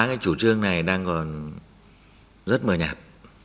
cái chủ trương này đang còn rất mờ nhạt